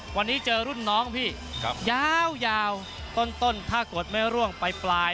วันนี้เจอรุ่นน้องพี่ยาวต้นถ้ากดไม่ร่วงไปปลาย